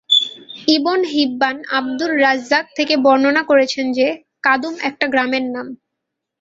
Ibn Hibban Abdur Razzaq থেকে বর্ণনা করেছেন যে, কাদূম একটা গ্রামের নাম।